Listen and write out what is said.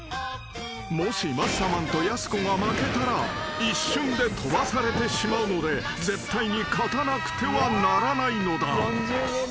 ［もしマッサマンとやす子が負けたら一瞬でとばされてしまうので絶対に勝たなくてはならないのだ］